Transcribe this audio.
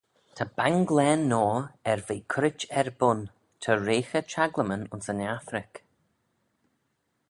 Ta banglane noa er ve currit er bun ta reaghey çhaglymyn ayns yn Affrick.